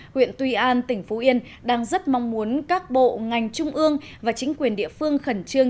huyện tuy an tỉnh phú yên đang rất mong muốn các bộ ngành trung ương và chính quyền địa phương khẩn trương